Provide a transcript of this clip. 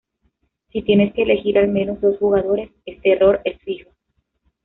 Si tienes que elegir al menos dos jugadores, este "error" es fijo.